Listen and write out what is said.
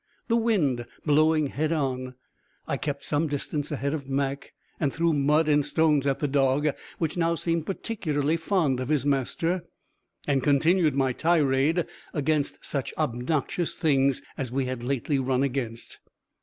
The wind blowing head on, I kept some distance ahead of Mac, and threw mud and stones at the dog, which now seemed particularly fond of his master, and continued my tirade against such obnoxious things as we had lately run against.